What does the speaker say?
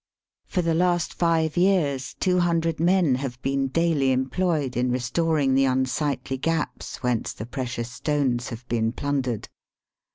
For the last five years two hundred men have been daily employed in restoring the unsightly gaps whence the precious stones have been plundered.